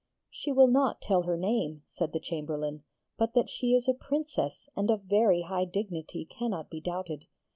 'She will not tell her name,' said the Chamberlain; 'but that she is a Princess and of very high dignity cannot be doubted.